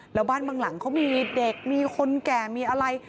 แล้วบ้านบางหลังเขามีเด็กมีคนแก่มีอะไร